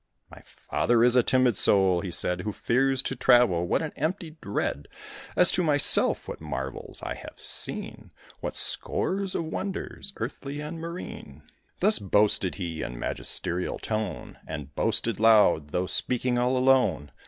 "My father is a timid soul," he said, "Who fears to travel: what an empty dread! As to myself, what marvels I have seen; What scores of wonders, earthly and marine!" Thus boasted he, in magisterial tone, And boasted loud, though speaking all alone.